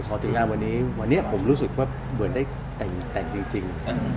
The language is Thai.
พอถึงงานวันนี้วันนี้ผมรู้สึกว่าเหมือนได้แต่งจริง